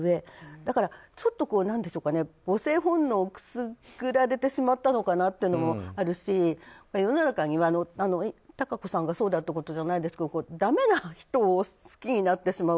だから、ちょっと母性本能をくすぐられてしまったのかなというのもあるし、世の中には貴子さんがどうというわけではないんですがだめな人を好きになってしまう